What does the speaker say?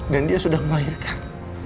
dan dia sudah melahirkan